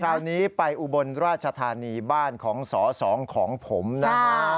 คราวนี้ไปอุบลราชธานีบ้านของสอสองของผมนะฮะ